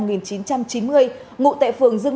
ngụ tại phường dương đông